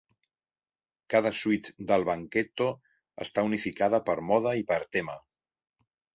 Cada suite del "Banchetto" està unificada per mode i per tema.